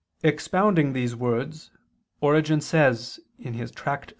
Expounding these words Origen says (Tract.